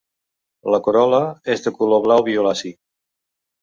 La corol·la és de color blau violaci.